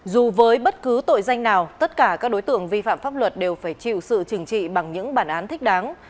dù với bất cứ tội danh nào tất cả các đối tượng vi phạm pháp luật đều phải chịu sự trừng trị bằng những bản án thích đáng